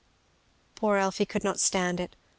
Poor Elfie could not stand it.